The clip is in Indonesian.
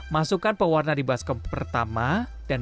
masukkan pewarna di baskom pertama dan baskom kedua diisi penguat warna